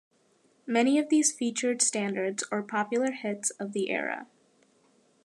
Many of these featured standards or popular hits of the era.